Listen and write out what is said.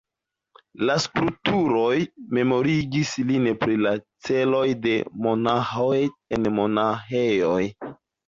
La strukturoj memorigis lin pri la ĉeloj de monaĥoj en monaĥejoj.